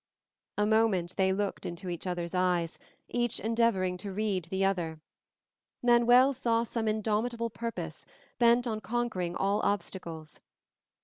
A moment they looked into each other's eyes, each endeavoring to read the other. Manuel saw some indomitable purpose, bent on conquering all obstacles.